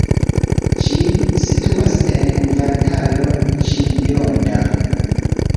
Ĝi situas en Kvartalo Ĉijoda.